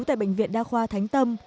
tại bệnh viện đa khoa thánh tâm